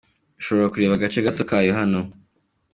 Ushobora kureba agace gato kayo hano:.